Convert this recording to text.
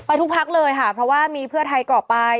ทุกพักเลยค่ะเพราะว่ามีเพื่อไทยก่อไป